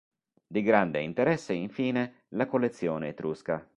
Di grande interesse, infine, la collezione etrusca.